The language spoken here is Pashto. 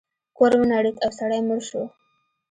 کور ونړید او سړی مړ شو.